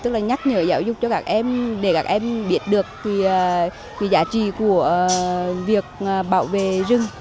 tức là nhắc nhở giáo dục cho các em để các em biết được cái giá trị của việc bảo vệ rừng